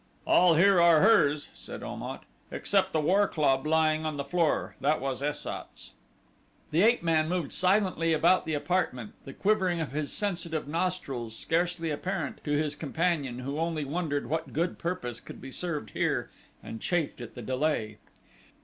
"All here are hers," said Om at, "except the war club lying on the floor that was Es sat's." The ape man moved silently about the apartment, the quivering of his sensitive nostrils scarcely apparent to his companion who only wondered what good purpose could be served here and chafed at the delay.